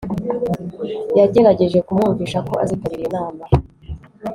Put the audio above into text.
yagerageje kumwumvisha ko azitabira iyo nama